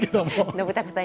信朗さん